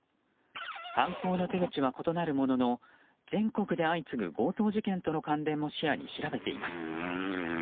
犯行の手口は異なるものの全国で相次ぐ強盗事件との関連も視野に調べています。